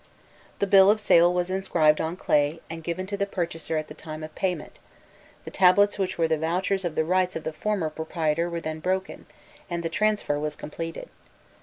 The bill of sale was inscribed on clay, and given to the purchaser at the time of payment: the tablets which were the vouchers of the rights of the former proprietor were then broken, and the transfer was completed.